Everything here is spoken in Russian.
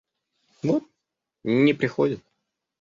Вот не приходят.